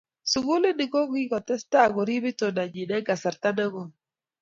Sugulini kokitestai koriip itondanyi eng kasarta ne koi.